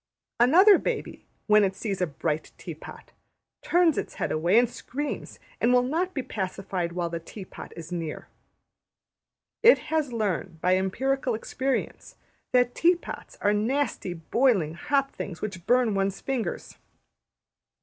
Another baby, when it sees a bright tea pot, turns its head away and screams, and will not be pacified while the tea pot is near. It has learned, by empirical experience, that tea pots are nasty boiling hot things which burn one's fingers.